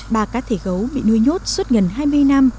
ba cá thể gấu bị nuôi nhốt suốt gần hai mươi năm